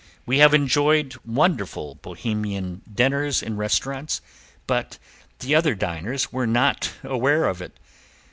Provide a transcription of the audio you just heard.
We have enjoyed wonderful Bohemian dinners in restaurants, but the other diners were not aware of it.